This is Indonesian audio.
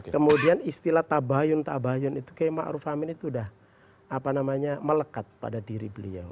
kemudian istilah tabahyun tabahyun itu qm a'ruf amin itu sudah melekat pada diri beliau